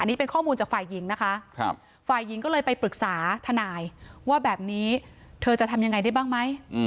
อันนี้เป็นข้อมูลจากฝ่ายหญิงนะคะฝ่ายหญิงก็เลยไปปรึกษาทนายว่าแบบนี้เธอจะทำยังไงได้บ้างไหม